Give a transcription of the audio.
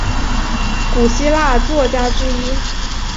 古希腊作家之一。